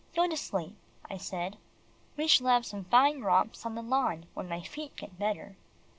"Go to sleep," I said, "we shall have some fine romps on the lawn when my feet get better."